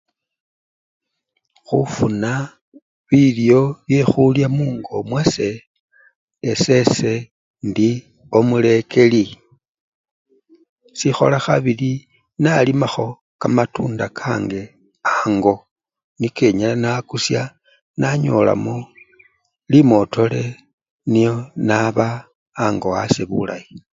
Khufuna bilyo byekhulya mungo mwase, esese indi omulekeli, sikhola khabili nalimakho kamatunda kakenge ango niko enyala nakusya nanyolamo limotole nio naba ango wase bulayi.